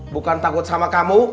bukan takut sama kamu